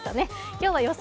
今日は予想